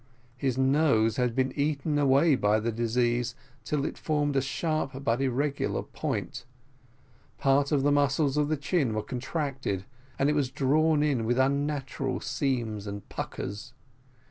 His nose had been eaten away by the disease till it formed a sharp but irregular point: part of the muscles of the chin were contracted, and it was drawn in with unnatural seams and puckers.